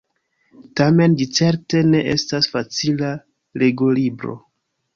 Tamen ĝi certe ne estas facila legolibro!